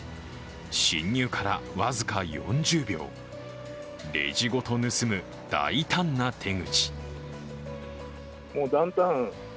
侵入から僅か４０秒、レジごと盗む大胆な手口。